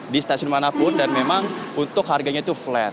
di stasiun manapun dan memang untuk harganya itu flat